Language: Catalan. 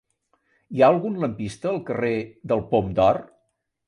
Hi ha algun lampista al carrer del Pom d'Or?